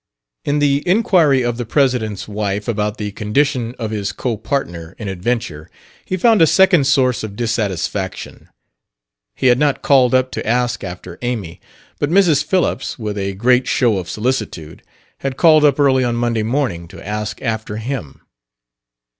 In the inquiry of the president's wife about the condition of his copartner in adventure he found a second source of dissatisfaction. He had not called up to ask after Amy; but Mrs. Phillips, with a great show of solicitude, had called up early on Monday morning to ask after him.